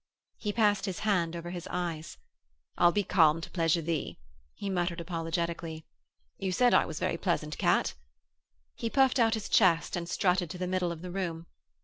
He passed his hand over his eyes. 'I'll be calm to pleasure thee,' he muttered apologetically. 'You said I was very pleasant, Kat.' He puffed out his chest and strutted to the middle of the room.